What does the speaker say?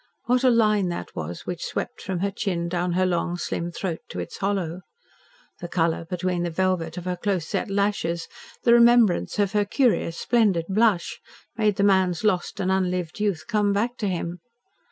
What a line that was which swept from her chin down her long slim throat to its hollow! The colour between the velvet of her close set lashes the remembrance of her curious splendid blush made the man's lost and unlived youth come back to him.